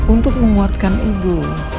untuk memuatkan ibu